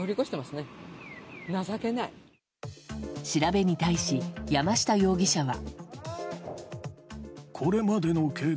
調べに対し、山下容疑者は。